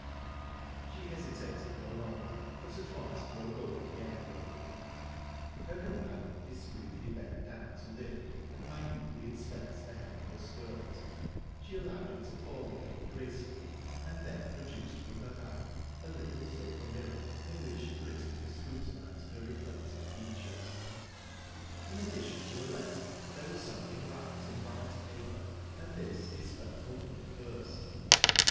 She hesitated no longer, but at once broke open the envelope. Her companion discreetly bent down to lift and minutely inspect the hem of her skirt; she allowed it to fall again gracefully, and then produced from her bag a little silver mirror, in which she critically scrutinised her reflected features. In addition to a letter, there was something wrapped in white paper, and this Isbel opened first.